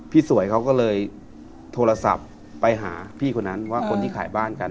สวยเขาก็เลยโทรศัพท์ไปหาพี่คนนั้นว่าคนที่ขายบ้านกัน